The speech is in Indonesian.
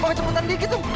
bang cepetan dikit bang